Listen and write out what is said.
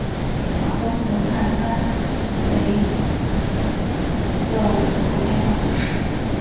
马东河畔班维勒人口变化图示